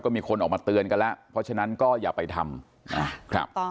มีคนออกมาเตือนกันแล้วเพราะฉะนั้นก็อย่าไปทำ